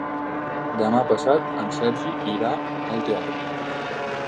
Demà passat en Sergi irà al teatre.